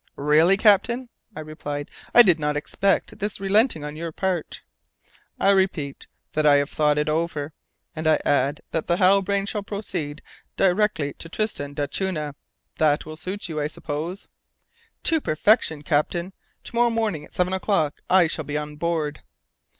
"Really, captain," I replied, "I did not expect this relenting on your part." "I repeat that I have thought over it, and I add that the Halbrane shall proceed direct to Tristan d'Acunha. That will suit you, I suppose?" "To perfection, captain. To morrow morning, at seven o'clock, I shall be on board."